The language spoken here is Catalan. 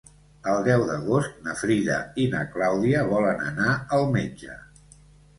El deu d'agost na Frida i na Clàudia volen anar al metge.